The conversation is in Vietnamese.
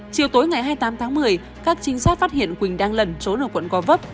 chiều tối ngày hai mươi tám tháng một mươi các chính sát phát hiện quỳnh đang lần trốn ở quận co vấp